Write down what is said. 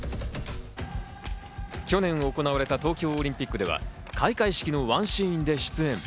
去年行われた東京オリンピックでは開会式のワンシーンで出演。